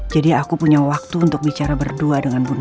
jadi aku punya waktu untuk bicara berdua dan berbicara